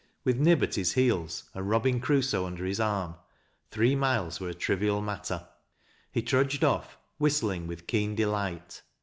With Nib at his heels, and " Eobinson Crusoe " under his arm, three miles wcro a trivial matter. He trudged off, whistling with keen delight.